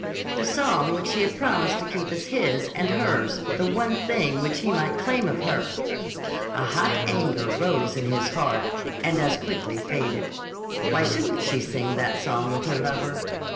The song which she had promised to keep as his and hers; the one thing which he might claim of her!) A hot anger rose in his heart and as quickly faded. Why shouldn't she sing that song with her lover?